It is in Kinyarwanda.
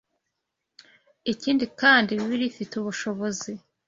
Ikindi kandi, Bibiliya ifite ubushobozi